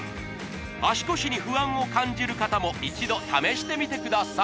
足腰に不安を感じる方も一度試してみてください